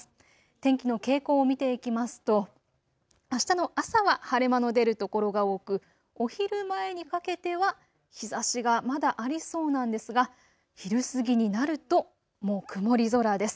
天気の傾向を見ていきますとあしたの朝は晴れ間の出る所が多くお昼前にかけては日ざしがまだありそうなんですが、昼過ぎになると、もう曇り空です。